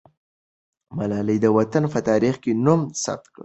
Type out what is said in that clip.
ملالۍ د وطن په تاریخ کې نوم ثبت کړ.